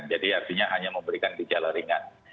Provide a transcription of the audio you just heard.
jadi artinya hanya memberikan di jalan ringan